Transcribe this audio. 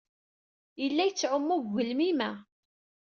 Yella yettɛumu deg ugelmim-a.